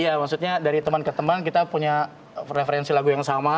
iya maksudnya dari teman ke teman kita punya preferensi lagu yang sama